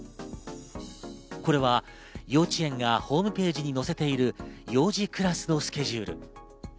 これは幼稚園がホームページに載せている幼児クラスのスケジュール。